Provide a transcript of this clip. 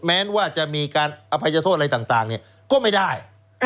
แม้ว่าจะมีการอภัยโทษอะไรต่างก็ไม่ได้